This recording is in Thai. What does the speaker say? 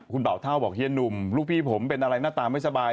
คุณเป่าเท่าบอกเฮียหนุ่มลูกพี่ผมเป็นอะไรหน้าตาไม่สบาย